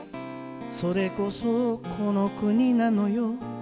「それこそこの国なのよ」